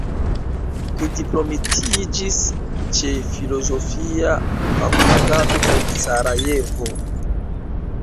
Li diplomitiĝis ĉe filozofia fakultato en Sarajevo.